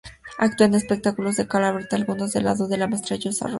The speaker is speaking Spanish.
Actúa en espectáculos de cabaret, algunos al lado de la maestra Jesusa Rodríguez.